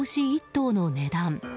１頭の値段。